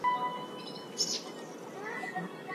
سانسور سوي کتابونه د لوستلو ذوق وژني.